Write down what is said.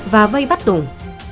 và vây bắt tùng